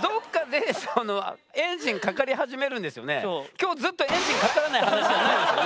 今日ずっとエンジンかからない話じゃないですよね？